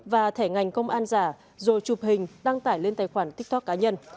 và thẻ ngành công an giả rồi chụp hình đăng tải lên tài khoản tiktok cá nhân